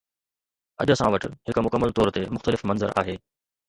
اڄ اسان وٽ هڪ مڪمل طور تي مختلف منظر آهي.